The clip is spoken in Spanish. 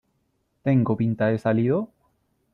¿ tengo pinta de salido ?